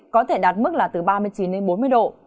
có thể đạt mức là từ ba mươi chín đến bốn mươi độ